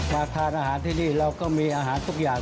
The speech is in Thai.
มาทานอาหารที่นี่เราก็มีอาหารทุกอย่าง